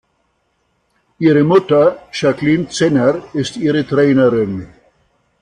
Ihre Mutter, Jacqueline Zenner, ist ihre Trainerin.